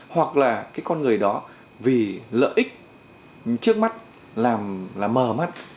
hoặc là cái con người đó vì lợi ích trước mắt làm là mờ mắt